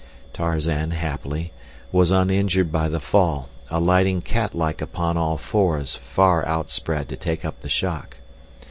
Tarzan, happily, was uninjured by the fall, alighting catlike upon all fours far outspread to take up the shock.